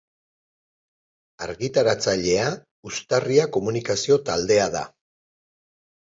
Argitaratzailea, Uztarria Komunikazio Taldea da.